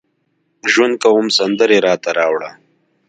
ژوند کوم سندرې راته راوړه